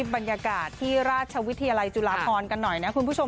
บรรยากาศที่ราชวิทยาลัยจุฬาพรกันหน่อยนะคุณผู้ชม